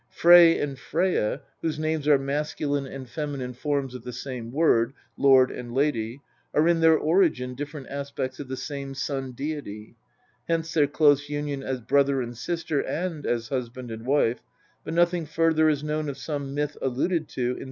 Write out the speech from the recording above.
Frey and Freyja, whose names are masculine and feminine forms of the same word (lord and lady), are in their origin different aspects of the same Sun deity ; hence their close union as brother and sister and as husband and wife, but nothing further is known of some myth alluded to in st.